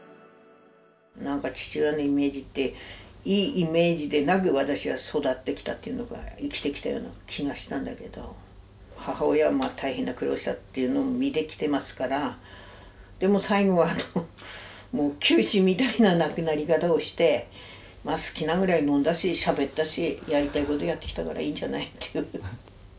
何か父親のイメージっていいイメージでなく私は育ってきたというのか生きてきたような気がしたんだけど母親は大変な苦労をしたっていうのを見てきてますから最後は急死みたいな亡くなり方をして好きなぐらい飲んだししゃべったしやりたいことやってきたからいいんじゃないっていう。